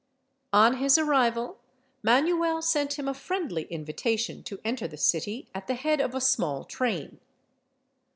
On his arrival, Manuel sent him a friendly invitation to enter the city at the head of a small train.